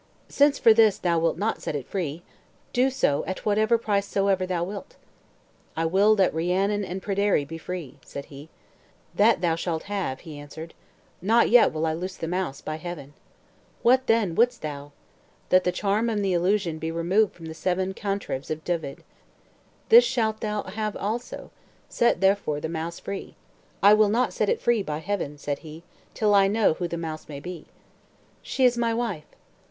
"Since for this thou wilt not set it free, do so at what price soever thou wilt." "I will that Rhiannon and Pryderi be free," said he. "That thou shalt have," he answered. "Not yet will I loose the mouse, by Heaven." "What then wouldst thou?" "That the charm and the illusion be removed from the seven cantrevs of Dyved." "This shalt thou have also; set therefore the mouse free." "I will not set it free, by Heaven," said he, "till I know who the mouse may be." "She is my wife."